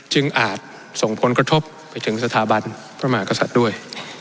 อาจส่งผลกระทบไปถึงสถาบันพระมหากษัตริย์ด้วย